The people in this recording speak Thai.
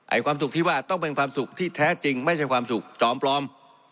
ความสุขที่ว่าต้องเป็นความสุขที่แท้จริงไม่ใช่ความสุขจอมปลอม